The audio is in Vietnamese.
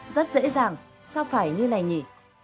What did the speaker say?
rất dễ dàng sao phải như này nhỉ